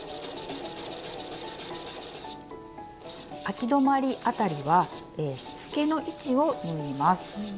あき止まり辺りはしつけの位置を縫います。